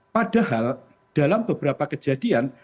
padahal dalam beberapa kejadian